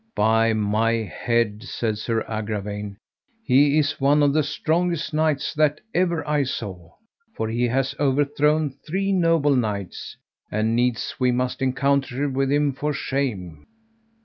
By my head, said Sir Agravaine, he is one of the strongest knights that ever I saw, for he hath overthrown three noble knights, and needs we must encounter with him for shame.